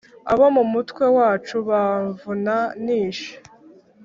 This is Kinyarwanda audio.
Abo mu mutwe wacu bamvuna nishe.